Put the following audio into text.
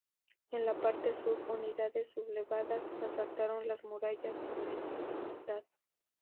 En la parte sur unidades sublevadas asaltaron las murallas con menos dificultad.